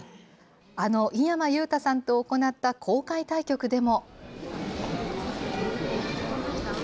あの井山裕太さんと行った公開対局でも。